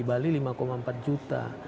bali lima empat juta